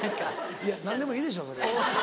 いや何でもいいでしょそれ。